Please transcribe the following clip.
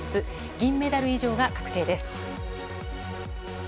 銀メダル以上が確定です。